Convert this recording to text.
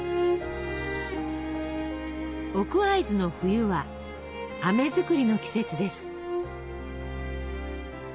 奥会津の冬はあめ作りの季節です。